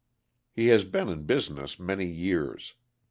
He has been in business many years.